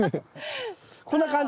こんな感じ。